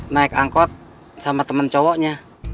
naik angkot sama teman cowoknya